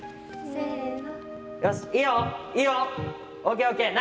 せの。